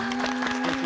すてき。